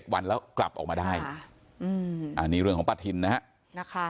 วันแล้วกลับออกมาได้อันนี้เรื่องของป้าทินนะฮะ